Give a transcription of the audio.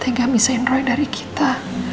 tega bisain roy dari kita